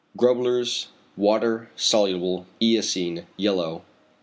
Grubler's water soluble eosine, yellow 1.